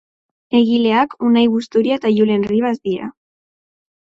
Egileak Unai Busturia eta Julen Ribas dira.